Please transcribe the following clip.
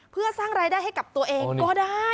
เพื่อสร้างรายได้ให้กับตัวเองก็ได้